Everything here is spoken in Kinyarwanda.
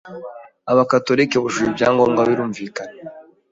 aba catholique bujuje ibyangombwa, birumvikana